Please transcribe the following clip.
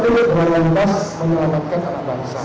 jadi perlu berantas menyelamatkan anak bangsa